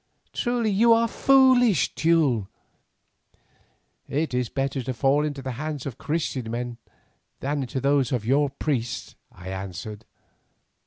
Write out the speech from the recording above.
Truly, you are foolish, Teule." "It is better to fall into the hands of Christian men than into those of your priests," I answered.